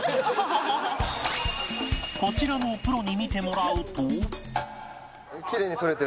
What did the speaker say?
こちらもプロに見てもらうと